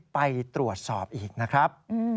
ไปตรวจสอบอีกนะครับ